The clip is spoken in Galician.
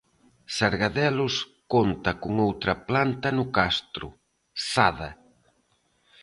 Sargadelos conta con outra planta no Castro, Sada.